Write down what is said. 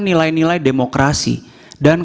nilai nilai demokrasi dan